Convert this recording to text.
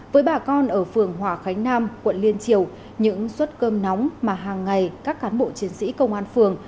với bà con ở phường hòa khánh nam quận liên triều những suất cơm nóng mà hàng ngày các cán bộ chiến sĩ công an phường